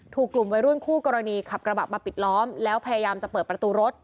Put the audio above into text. ถูกกลุ่มวัยรุ่นคู่กรณีขับกระบะมาปิดล้อมแล้วพยายามจะเปิดประตูรถ